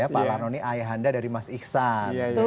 pak larno ini ayah anda dari mas ihsan